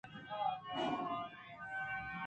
فریڈاءَپہ بیزاری گوٛشت